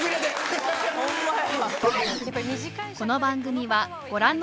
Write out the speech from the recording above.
ホンマや。